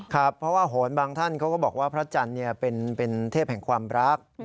ครับเพราะว่าโหนบางท่านเขาก็บอกว่าพระจันทร์เป็นเทพแห่งความรัก